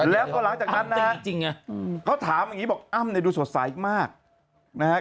แล้วก็หลังจากนั้นนะฮะเขาถามอย่างนี้บอกอ้ำเนี่ยดูสดใสมากนะฮะ